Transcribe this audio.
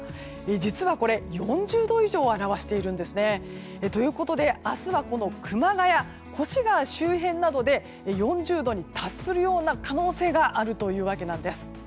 実は４０度以上を表しているんですね。ということで明日は熊谷、越谷周辺などで４０度に達するような可能性があるというわけなんです。